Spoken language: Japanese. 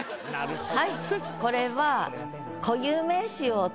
はい。